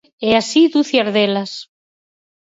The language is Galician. E así ducias delas.